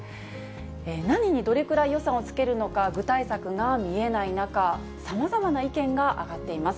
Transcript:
何にどれくらい予算をつけるのか、具体策が見えない中、さまざまな意見があがっています。